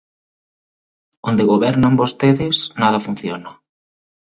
Onde gobernan vostedes, nada funciona.